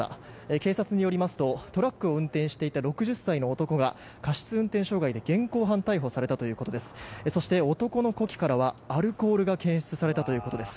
警察によりますとトラックを運転していた６０歳の男が過失運転傷害で現行犯逮捕されたということです。